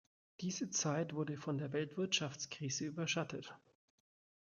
Diese Zeit wurde von der Weltwirtschaftskrise überschattet.